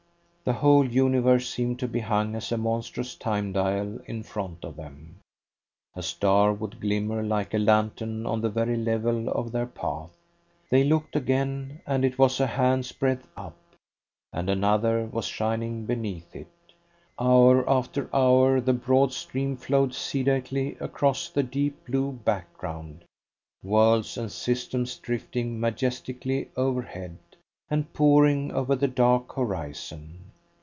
The whole universe seemed to be hung as a monstrous time dial in front of them. A star would glimmer like a lantern on the very level of their path. They looked again, and it was a hand's breadth up, and another was shining beneath it. Hour after hour the broad stream flowed sedately across the deep blue background, worlds and systems drifting majestically overhead, and pouring over the dark horizon.